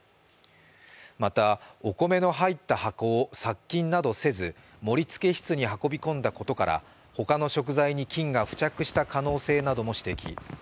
また、お米の入った箱を殺菌などせず盛りつけ室に運び込んだことから他の食材に菌が付着した可能性なども指摘。